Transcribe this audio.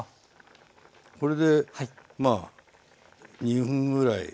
これでまあ２分ぐらい。